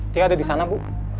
dia ada di sana bu